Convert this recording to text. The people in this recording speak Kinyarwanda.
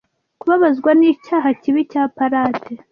Kubabazwa nicyaha kibi cya palate